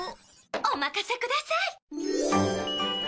おまかせください！